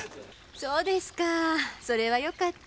そうですかぁそれはよかった。